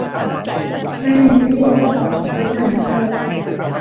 ไม่มีวี่แววของหนังสือเล่มนี้เลย